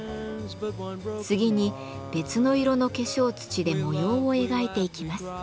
次に別の色の化粧土で模様を描いていきます。